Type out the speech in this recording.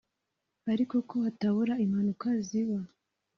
ariko ko hatabura impanuka ziba